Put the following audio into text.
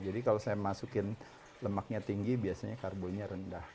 jadi kalau saya masukin lemaknya tinggi biasanya karbohidratnya rendah